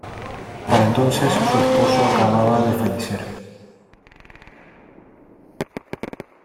Para entonces su esposo acabada de fallecer.